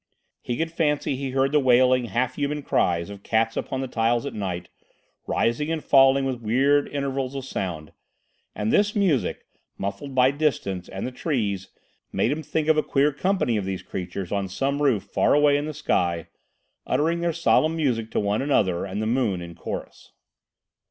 He could fancy he heard the wailing, half human cries of cats upon the tiles at night, rising and falling with weird intervals of sound, and this music, muffled by distance and the trees, made him think of a queer company of these creatures on some roof far away in the sky, uttering their solemn music to one another and the moon in chorus.